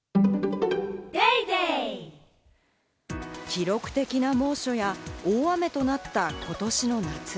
記録的な猛暑や大雨となったことしの夏。